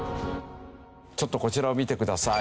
ちょっとこちらを見てください。